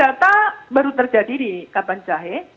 data baru terjadi di kabanjahe